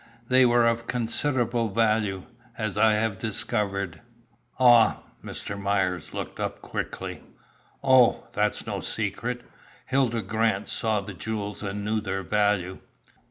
They were of considerable value, as I have discovered." "Ah!" Mr. Myers looked up quickly. "Oh, that's no secret. Hilda Grant saw the jewels, and knew their value."